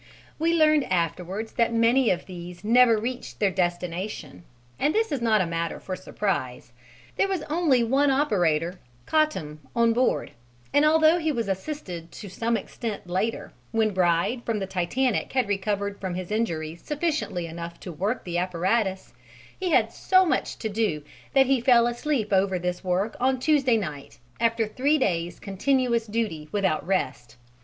We learned afterwards that many of these never reached their destination; and this is not a matter for surprise. There was only one operator Cottam on board, and although he was assisted to some extent later, when Bride from the Titanic had recovered from his injuries sufficiently to work the apparatus, he had so much to do that he fell asleep over this work on Tuesday night after three days' continuous duty without rest.